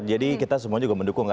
jadi kita semua juga mendukung kan